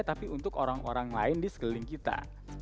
tapi untuk orang orang lain di sekeliling kita